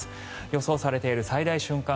予想されている最大瞬間